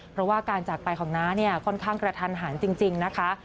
เพราะว่าการจากไปของน้าเนี่ยค่อนข้างกระทันหันจริงนะคะ